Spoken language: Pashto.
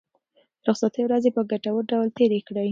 د رخصتۍ ورځې په ګټور ډول تېرې کړئ.